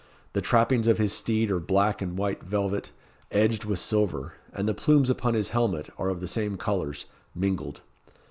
The trappings of his steed are black and white velvet, edged with silver, and the plumes upon his helmet are of the same colours, mingled.